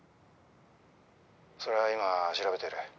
それは今調べてる。